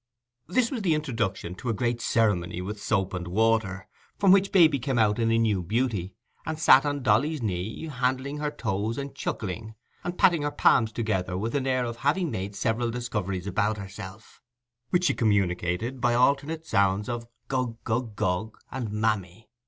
This was the introduction to a great ceremony with soap and water, from which Baby came out in new beauty, and sat on Dolly's knee, handling her toes and chuckling and patting her palms together with an air of having made several discoveries about herself, which she communicated by alternate sounds of "gug gug gug", and "mammy".